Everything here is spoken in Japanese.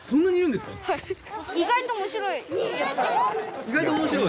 意外と面白い？